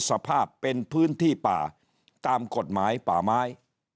สภาพเป็นพื้นที่ป่าตามกฎหมายป่าไม้